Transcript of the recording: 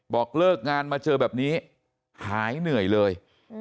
บอกเลิกงานมาเจอแบบนี้หายเหนื่อยเลย